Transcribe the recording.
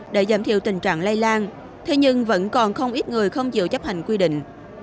để giảm thiểu tình trạng lây lan thế nhưng vẫn còn không ít người không chịu chấp hành quy định